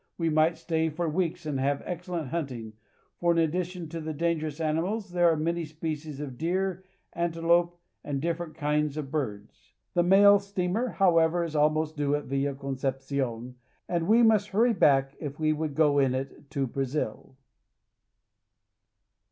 We might stay for weeks and have excellent hunting, for in addition to the dangerous animals there are many species of deer, antelope, and different kinds of birds. The mail steamer, however, is almost due at Villa Concepcion, and we must hurry back if we would go in it to Brazil.